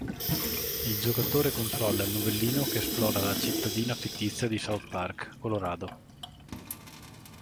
Il giocatore controlla il Novellino che esplora la cittadina fittizia di South Park, Colorado.